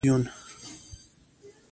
ان درې څلور ميليونه.